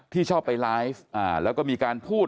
ชอบไปไลฟ์แล้วก็มีการพูด